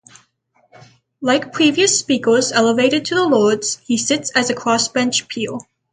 Like previous Speakers elevated to the Lords, he sits as a Crossbench peer.